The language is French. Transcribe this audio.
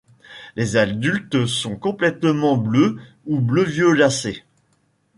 Les adultes sont complètement bleus ou bleu-violacés.